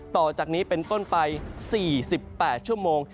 ต่อจากนี้เป็นต้นไป๔๘ชั่วโมง